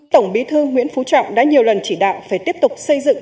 tổng bí thư nguyễn phú trọng đã nhiều lần chỉ đạo phải tiếp tục xây dựng